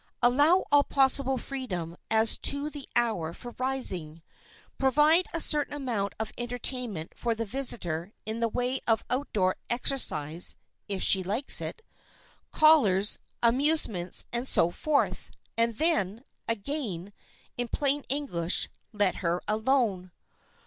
Allow all possible freedom as to the hour for rising, provide a certain amount of entertainment for the visitor in the way of outdoor exercise (if she likes it), callers, amusements and so forth, and then (again) in plain English, let her alone!